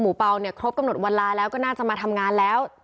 เปล่าเนี่ยครบกำหนดวันลาแล้วก็น่าจะมาทำงานแล้ว